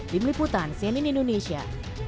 lim liputan cnn indonesia